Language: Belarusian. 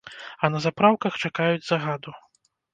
А на запраўках чакаюць загаду.